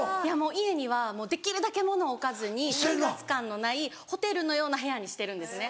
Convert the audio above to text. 家にはもうできるだけものを置かずに生活感のないホテルのような部屋にしてるんですね。